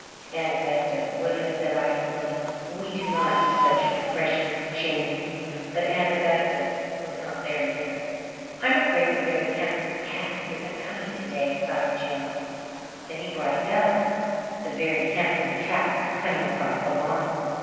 Aunt Augusta would have said icily, "We do not use such expressions, James," but Aunt Augusta was not there to hear. "I'm afraid the Very Handsome Cat isn't coming to day," sighed Jims. Then he brightened up; the Very Handsome Cat was coming across the lawn.